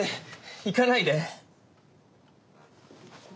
行かないで。